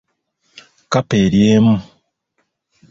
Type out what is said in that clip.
Kkapa eri emu .